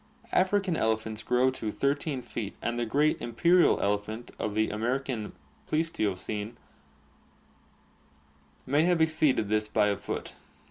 African elephants grow to 13 feet and the great imperial elephant of the American Pleistocene may have exceeded this by a foot.